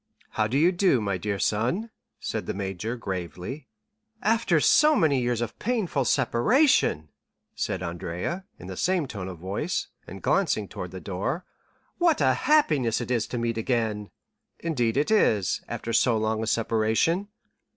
"How do you do, my dear son?" said the major gravely. "After so many years of painful separation," said Andrea, in the same tone of voice, and glancing towards the door, "what a happiness it is to meet again!" "Indeed it is, after so long a separation."